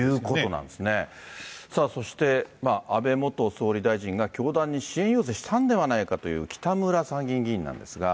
そして、安倍元総理大臣が教団に支援を要請したんではないかという、北村参議院議員なんですが。